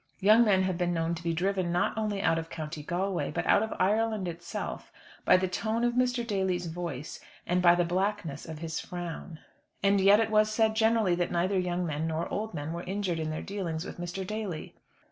Young men have been known to be driven not only out of County Galway, but out of Ireland itself, by the tone of Mr. Daly's voice, and by the blackness of his frown. And yet it was said generally that neither young men nor old men were injured in their dealings with Mr. Daly.